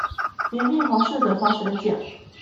綿密滑順的花生醬